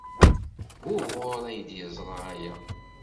Wuɣur ay d-yeẓra aya?